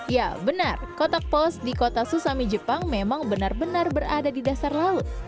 ya benar kotak pos di kota susami jepang memang benar benar berada di dasar laut